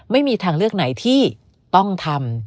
ไม่มีทางเลือกไหนที่ต้องทำ